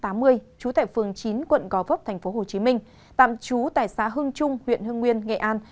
trú tại phường chín quận gò vấp tp hcm tạm trú tại xã hưng trung huyện hưng nguyên nghệ an